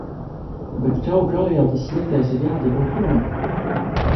Bet kaut kā jau tas sliktais ir jādabū prom...